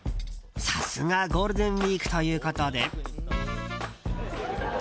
さすがゴールデンウィークということで。